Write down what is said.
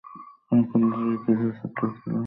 প্রফুল্লচন্দ্র রায়ের প্রিয় ছাত্র ছিলেন তিনি।